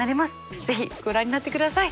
ぜひご覧になって下さい。